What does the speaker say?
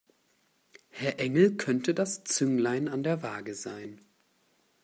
Herr Engel könnte das Zünglein an der Waage sein.